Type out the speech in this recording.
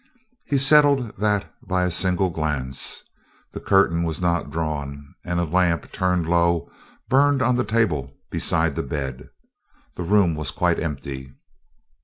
He settled that by a single glance. The curtain was not drawn, and a lamp, turned low, burned on the table beside the bed. The room was quite empty.